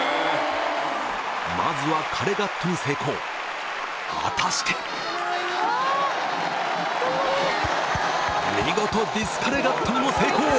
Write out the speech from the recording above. まずはカレガットに成功果たして見事ディスカレガットにも成功！